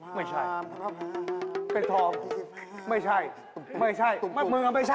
ไม่ใช่ไม่ใช่มันก็ไม่ใช่เหรอพี่